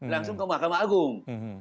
langsung ke mahkamah agung